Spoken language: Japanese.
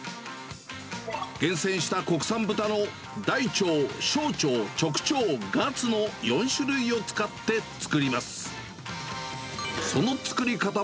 厳選した国産豚の大腸、小腸、直腸、ガツの４種類を使って作ります。